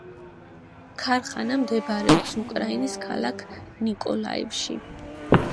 ქარხანა მდებარეობს უკრაინის ქალაქ ნიკოლაევში.